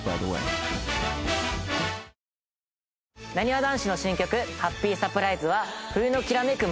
なにわ男子の新曲「ハッピーサプライズ」は冬のきらめく